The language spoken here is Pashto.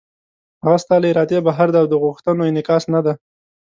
هغه ستا له ارادې بهر دی او د غوښتنو انعکاس نه دی.